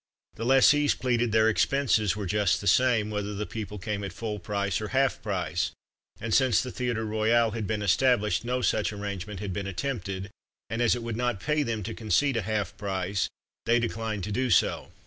The lessees pleaded their expenses were just the same, whether the people came at full price or half price, and since the Theatre Royal had been established no such arrangement had been attempted, and as it would not pay them to concede a half price they declined to do so.